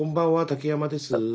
竹山です。